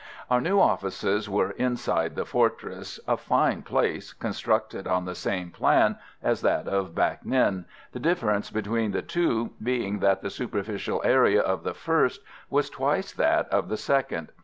Our new offices were inside the fortress a fine place, constructed on the same plan as that of Bac Ninh, the difference between the two being that the superficial area of the first was twice that of the second.